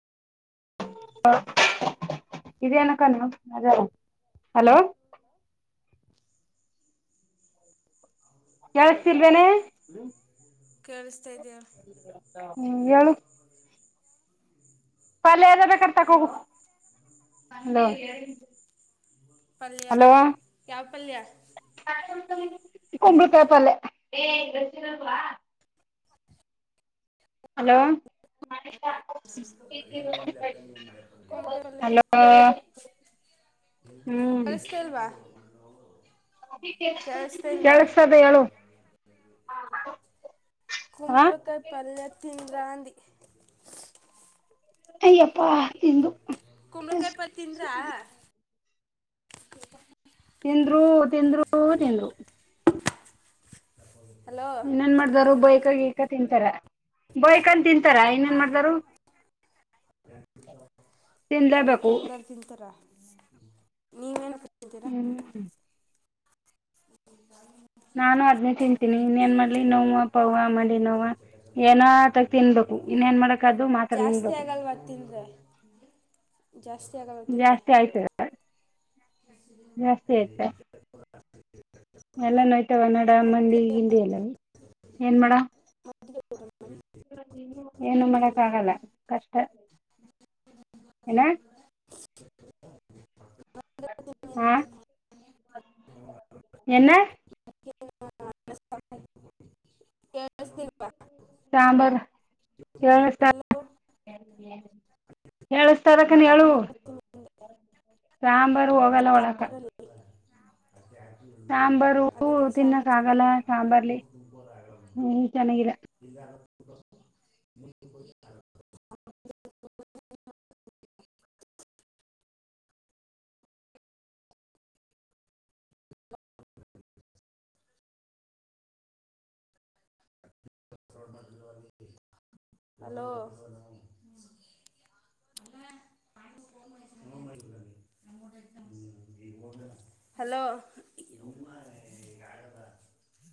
ಇದೇನಕ್ಕ ಅನ್ನು ನಜಾರ hello [unintelligible] hello. [unintelligible] [unintelligible] ಕೇಳುಸ್ತಿಲ್ವೇನೆ ಕೇಳಿಸ್ತಾ ಇದೆಯ ಹೂ ಹೇಳು. [unintelligible] ಪಲ್ಲೆ ಏನರ ಬೇಕಾರೆ ತಗೋ ಹೋಗು ಹಲೋ. [inaudible] [unintelligible] ಪಲ್ಯ ಹಲೋ ಯಾವ್ ಪಲ್ಯ. [unintelligible] ಕುಂಬಳಕಾಯಿ ಪಲ್ಯ. [inaudible] ಹಲೋ. [unintelligible] [inaudible] [unintelligible] ಹಲೋ ಹ್ಮ್ ಕೇಳಸತ್ತಿಲ್ವ. [unintelligible] ಕೇಳಸ್ತದೆ ಹೇಳು. [unintelligible] ಕುಂಬಳಕಾಯಿ ಪಲ್ಯ ತಿಂದರಾ ಅಂದಿ. [unintelligible] ಅಯ್ಯಪ್ಪಾ ನಿಂದು. [unintelligible] ಕುಂಬಳಕಾಯಿ ಪಲ್ಯ ತಿಂದರಾ. [unintelligible] ತಿಂದರು ತಿಂದರು ತಿಂದರು. [unintelligible] ಹಲೋ? [unintelligible] ಎಲ್ಲರೂ ಬೈಕ ಗೀಕ ತಿಂತಾರ ಬಯಕಂತ ತಿಂತಾರ ಇನ್ ಏನ್ ಮಾಡ್ತರುಕ. [unintelligible] ತಿನ್ಲೇಬೇಕು ಬೈಕಂದರ್ ತಿಂತಾರಾ ನೀವೇನ. [inaudible] [unintelligible] ಹೂ. [unintelligible] ನಾನು ಅದ್ನೇ ತಿಂತೀನಿ ಇನ್ ಏನ್ ಮಾಡ್ಲಿ ನೋವ ಪಾವ ಮಂಡಿ ನೋವ ಏನೋ ಅದಕ್ಕ. [unintelligible] ಜಾಸ್ತಿ ಆಗಲ್ವ ತಿಂದ್ರೆ. [inaudible] ಜಾಸ್ತಿ ಆಗಲ್ವ ತಿಂದ್ರೆ. [inaudible] ಜಾಸ್ತಿ ಆಯ್ತದ ಜಾಸ್ತಿ ಎಲ್ಲಾ ನೋಯ್ತವ ನಡಾ ಮಂಡಿ ಹಿಂಡಿ ಎಲ್ಲುವು ಏನ್ ಮಾಡವ. [unintelligible] ಮರತ್ತ ಬಿಟ್ಟಿರ ಏನ್? [inaudible] ಏನು ಮಾಡಕ್ಕ ಆಗಲ್ಲ ಕಷ್ಟ ಏನ್? [unintelligible] ಹಾ ಏನ್. [inaudible] ಕೇಳಸ್ತಿಲ್ಲವಾ. [inaudible] ಸಾಂಬಾರ್ ಕೇಳಿಸ್ತಾ ಹಲೋ ಹೇಳು [inaudible] ಸರಕನ ಹೇಳು ಸಾಂಬಾರ್ ಸಾಂಬಾರ ಹೋಗಲ್ಲ ಒ [unintelligible] [inaudible] ಸಾಂಬಾರು ಅದಕ್ಕೆ ಸಾಬ ತಿನ್ನಕ್ ಆಗಲ್ಲ ಹಚ್ಚಕೊಂಡೀಲಾ. [inaudible] ಸಾಂಬಾರ್ಲಿ ಹ್ಮ್ ಚೆನ್ನಾಗಿಲ್ಲ [inaudible] [inaudible] [inaudible] ಹಲೋ? [inaudible] [unintelligible] ಹಲೋ.